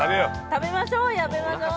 ◆食べましょう、食べましょう。